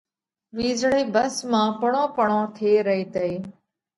وِيزۯئِي ڀس مانه پڙون پڙون ٿي رئِي تئِي۔